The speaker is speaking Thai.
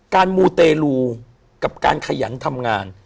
มูเตลูกับการขยันทำงาน